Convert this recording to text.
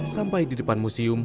sampai di depan museum